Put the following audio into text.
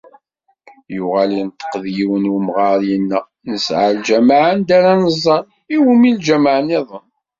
Yuɣal inṭeq-d yiwen n umɣar yenna: “Nesɛa lǧameɛ anda ara neẓẓal, i wumi lǧamaɛ-nniḍen?"